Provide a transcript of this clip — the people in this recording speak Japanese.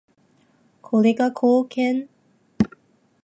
これが貢献？